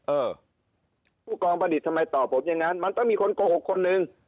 เออผู้กองประดิษฐ์ทำไมตอบผมอย่างนั้นมันต้องมีคนโกหกคนหนึ่ง